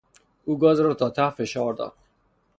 او گاز را تا ته فشار داد.